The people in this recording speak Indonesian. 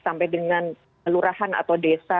sampai dengan lurahan atau desa